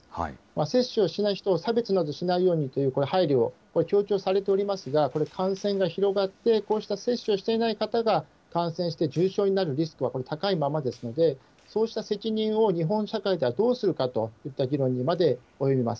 接種をしない人を差別などしないようにという配慮、これ、強調されていますが、これ感染が広がって、こうした接種をしていない方が感染して重症になるリスクは高いままですので、そうした責任を日本社会ではどうするかといった議論にまで及びます。